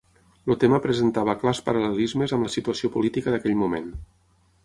El tema presentava clars paral·lelismes amb la situació política d'aquell moment.